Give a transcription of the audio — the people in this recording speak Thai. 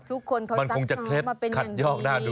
ทุกคนเขาซักท้องมาเป็นอย่างนี้มันคงจะเคล็ดขัดยอกน่าดู